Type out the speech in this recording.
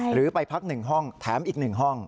หรือไปพัก๑ห้องแถมอีก๑ห้อง